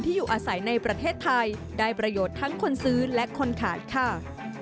อยู่อาศัยในประเทศไทยได้ประโยชน์ทั้งคนซื้อและคนขายค่ะ